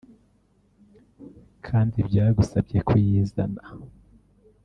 kandi byagusabye kuyizana